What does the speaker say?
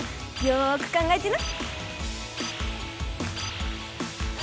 よく考えてな。